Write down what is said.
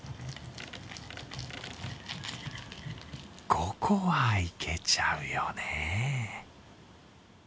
５個はいけちゃうよね。